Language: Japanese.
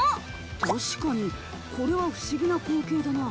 確かにこれは不思議な光景だな。